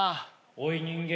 ・おい人間。